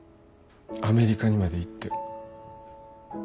アメリカにまで行って。